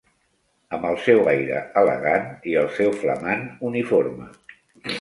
Amb el seu aire elegant i el seu flamant uniforme.